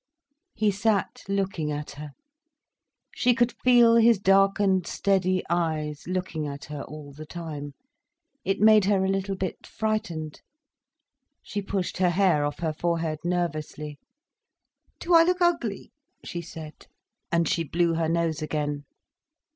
He sat looking at her. She could feel his darkened steady eyes looking at her all the time. It made her a little bit frightened. She pushed her hair off her forehead nervously. "Do I look ugly?" she said. And she blew her nose again.